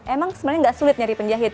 emang sebenarnya gak sulit nyari penjahit